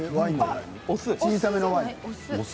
小さめのワイン？